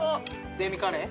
デミカレー？